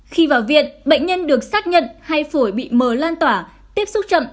khi vào viện bệnh nhân được xác nhận hay phổi bị mờ lan tỏa tiếp xúc chậm